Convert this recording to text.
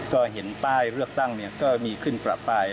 ก็เห็นป้ายเลือกตั้งก็มีขึ้นประปาย